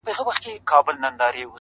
گرا ني خبري سوې پرې نه پوهېږم-